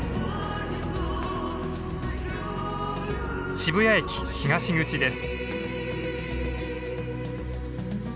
渋谷駅東口です。